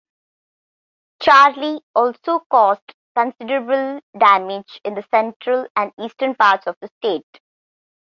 Charley also caused considerable damage in the central and eastern parts of the state.